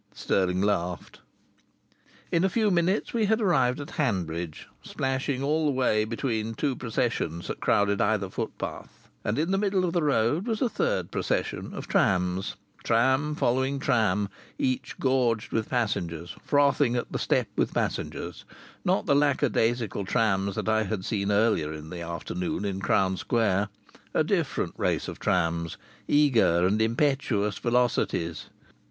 Stirling laughed. In a few minutes we had arrived at Hanbridge, splashing all the way between two processions that crowded either footpath. And in the middle of the road was a third procession of trams, tram following tram, each gorged with passengers, frothing at the step with passengers; not the lackadaisical trams that I had seen earlier in the afternoon in Crown Square; a different race of trams, eager and impetuous velocities.